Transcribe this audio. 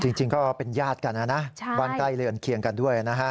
จริงจริงก็เป็นญาติกันอ่ะนะใช่วางใกล้เรือนเคียงกันด้วยอ่ะนะฮะ